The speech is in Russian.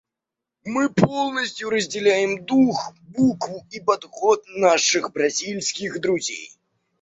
Мы полностью разделяем дух, букву и подход наших бразильских друзей.